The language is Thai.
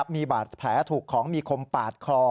มีบาดแผลถูกของมีคมปาดคอ